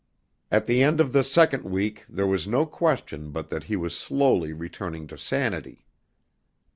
At the end of the second week there was no question but that he was slowly returning to sanity.